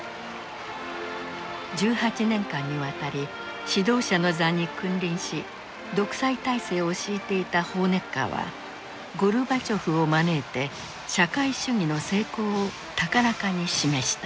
１８年間にわたり指導者の座に君臨し独裁体制を敷いていたホーネッカーはゴルバチョフを招いて社会主義の成功を高らかに示した。